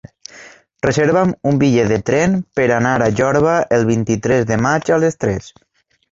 Reserva'm un bitllet de tren per anar a Jorba el vint-i-tres de maig a les tres.